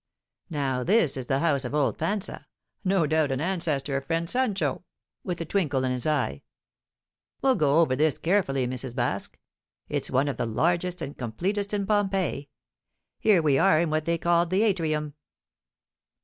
"Now, this is the house of old Pansa no doubt an ancestor of friend Sancho" with a twinkle in his eye. "We'll go over this carefully, Mrs. Baske; it's one of the largest and completest in Pompeii. Here we are in what they called the atrium."